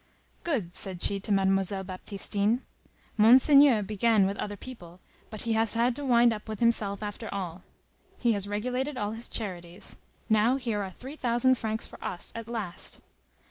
"Good," said she to Mademoiselle Baptistine; "Monseigneur began with other people, but he has had to wind up with himself, after all. He has regulated all his charities. Now here are three thousand francs for us! At last!"